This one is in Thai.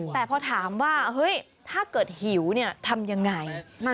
แต่พอถามว่าเฮ้ยถ้าเกิดหิวทำยังไง